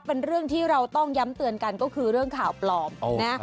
เป็นเรื่องที่เราต้องย้ำเตือนกันก็คือเรื่องข่าวปลอมนะ